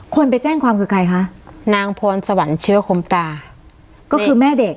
คนไปแจ้งความคือใครคะนางพรสวรรค์เชื้อคมตาก็คือแม่เด็ก